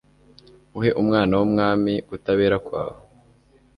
uhe umwana w'umwami kutabera kwawe